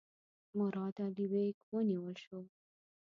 مراد علي بیګ ونیول شو.